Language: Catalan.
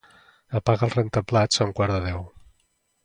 Apaga el rentaplats a un quart de deu.